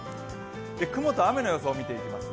雲と雨の予想を見ていきます。